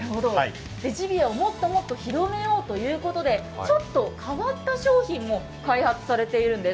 ジビエをもっともっと広めようということでちょっと変わった商品も開発されているんです。